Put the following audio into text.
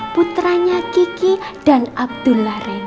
putranya kiki dan abdullah randy